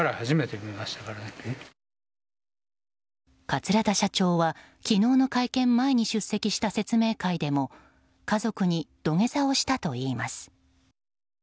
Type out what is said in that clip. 桂田社長は昨日の会見前に出席した説明会でも家族に土下座をしたといいます。